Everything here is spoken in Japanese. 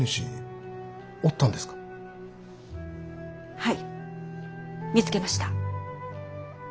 はい見つけました。